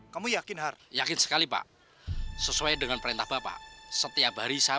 kamu yakin har yakin sekali pak sesuai dengan perintah bapak setiap hari saya